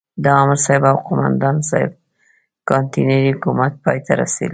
د امرصاحب او قوماندان صاحب کانتينري حکومت پای ته رسېدلی.